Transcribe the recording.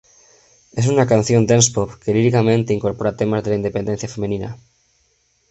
Es una canción dance-pop que líricamente incorpora temas de la independencia femenina.